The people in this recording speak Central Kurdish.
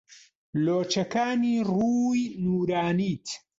لۆچەکانی ڕووی نوورانیت